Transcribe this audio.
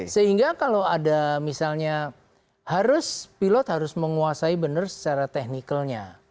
sehingga kalau ada misalnya harus pilot harus menguasai benar secara teknikalnya